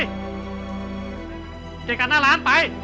เกียรติการหน้าร้านไป